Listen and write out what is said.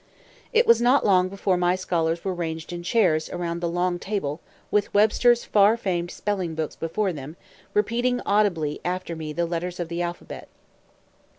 It was not long before my scholars were ranged in chairs around the long table, with Webster's far famed spelling books before them, repeating audibly after me the letters of the alphabet.